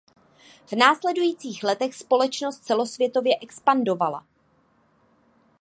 V následujících letech společnost celosvětově expandovala.